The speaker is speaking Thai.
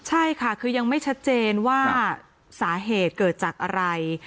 ใช่ค่ะคือยังไม่ชัดเจนว่าสาเหตุเกิดจากอะไร